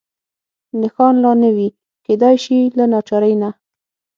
نښان لا نه وي، کېدای شي له ناچارۍ نه.